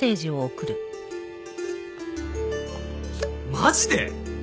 「マジで！？」